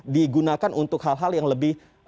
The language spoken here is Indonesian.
digunakan untuk hal hal yang lebih